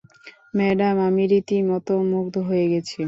Madam, আমি রীতিমত মুগ্ধ হয়ে গেছি!